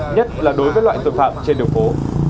nhất là đối với loại tội phạm trên đường phố